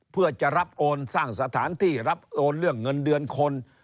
เพื่อจะรับโอนสร้างสถานที่รับโอนเรื่องเงินเดือนคน